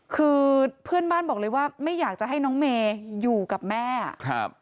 คือเพื่อนบ้านบอกเลยว่าไม่อยากจะให้น้องเมย์อยู่กับแม่ครับ